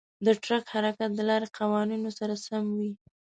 د ټرک حرکت د لارې قوانینو سره سم وي.